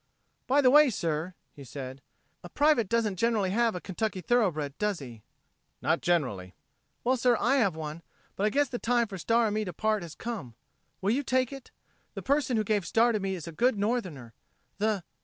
"By the way, sir," he said. "A private doesn't generally have a Kentucky thoroughbred, does he?" "Not generally." "Well, sir, I have one, but I guess the time for Star and me to part has come. Will you take it? The person who gave Star to me is a good Northerner. The